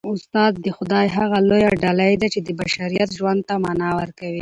استاد د خدای هغه لویه ډالۍ ده چي د بشریت ژوند ته مانا ورکوي.